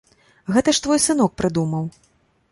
Гэта ж твой сынок прыдумаў!